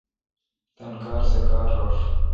تان کار سہ کار رݭ۔